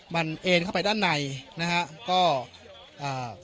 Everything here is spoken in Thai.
มันเอ็นเข้าไปด้านในนะฮะก็อ่า